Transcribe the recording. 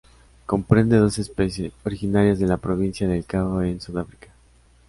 Comprende dos especies originarias de la provincia del Cabo en Sudáfrica.